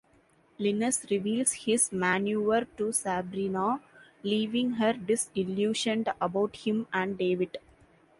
Linus reveals his maneuver to Sabrina, leaving her disillusioned about him and David.